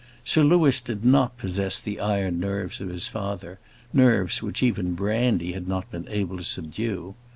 Sir Louis did not possess the iron nerves of his father nerves which even brandy had not been able to subdue.